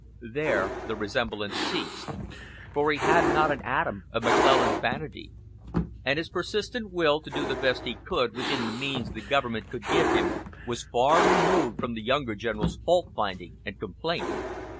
There the resemblance ceased, for he had not an atom of McClellan's vanity, and his persistent will to do the best he could with the means the government could give him was far removed from the younger general's faultfinding and complaint.